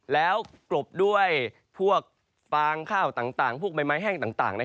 แล้วกลบด้วยพวกฟางข้าวต่างพวกใบไม้แห้งต่าง